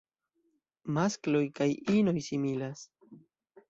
Maskloj kaj inoj similas.